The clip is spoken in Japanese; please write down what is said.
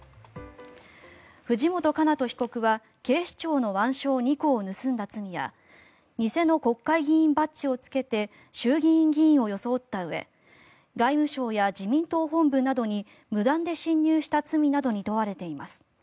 藤本叶人被告は警視庁の腕章２個を盗んだ罪や偽の国会議員バッジをつけて衆議院議員を装ったうえ外務省や自民党本部などに無断で侵入した罪などに問われています。